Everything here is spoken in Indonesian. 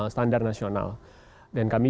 standar nasional dan kami